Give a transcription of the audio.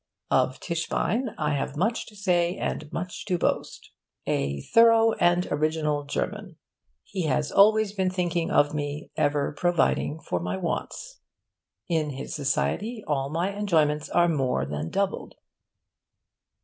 'Of Tischbein I have much to say and much to boast' 'A thorough and original German' 'He has always been thinking of me, ever providing for my wants' 'In his society all my enjoyments are more than doubled.